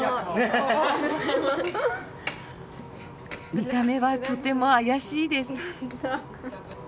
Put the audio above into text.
見た目はとても怪しいです。